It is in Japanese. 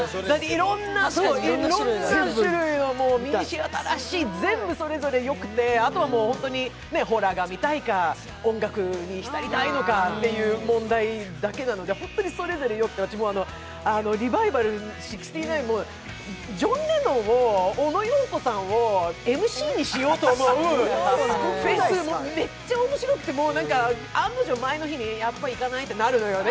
いろんな種類のミニシアターらしい全部それぞれよくて、あとはホントにホラーが見たいか音楽に浸りたいのかの問題だけで、本当にそれぞれよくて、私、「リバイバル６９」もジョン・レノンをオノ・ヨーコさんをＭＣにしようと思うめっちゃ面白くて、案の定、前の日にやっぱ行かないってなるのよね。